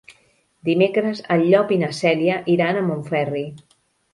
Dimecres en Llop i na Cèlia iran a Montferri.